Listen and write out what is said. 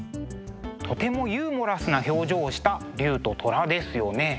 とてもユーモラスな表情をした龍と虎ですよね。